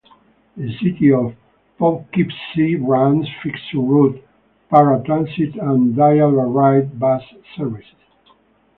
The city of Poughkeepsie runs fixed route, para-transit, and dial-a-ride bus service.